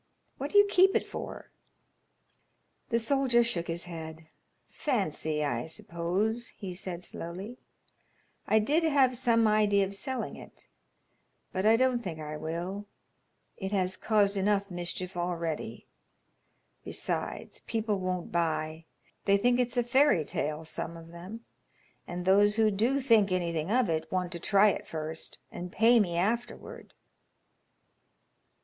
"What do you keep it for?" The soldier shook his head. "Fancy, I suppose," he said, slowly. "I did have some idea of selling it, but I don't think I will. It has caused enough mischief already. Besides, people won't buy. They think it's a fairy tale; some of them, and those who do think anything of it want to try it first and pay me afterward."